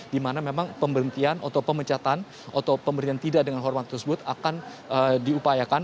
di mana memang pemberhentian atau pemecatan atau pemberhentian tidak dengan hormat tersebut akan diupayakan